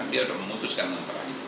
dia sudah memutuskan untuk